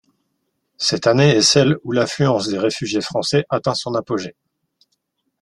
Cette année est celle où l'affluence des réfugiés français atteint son apogée.